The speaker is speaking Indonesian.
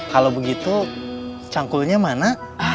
kalau begitu cangkulnya mana